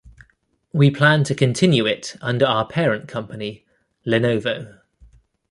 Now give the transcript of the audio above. We plan to continue it under our parent company, Lenovo.